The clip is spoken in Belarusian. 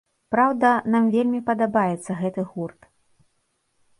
Праўда, нам вельмі падабаецца гэты гурт.